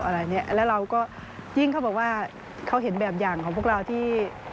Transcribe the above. อะไรเนี้ยแล้วเราก็ยิ่งเขาบอกว่าเขาเห็นแบบอย่างของพวกเราที่